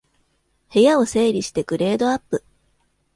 部屋を整理してグレードアップ